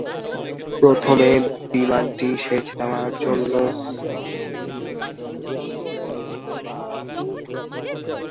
প্রথমে বিমানটি সেচ দেওয়ার জন্য মাঠের মধ্যে নির্মিত ড্রেনের সঙ্গে আঘাত লাগে।